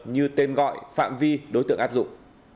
như tên gọi phạm vi đối tượng áp dụng